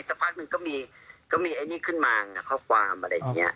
สักพักหนึ่งก็มีไอ้นี่ขึ้นมาข้อความอะไรอย่างนี้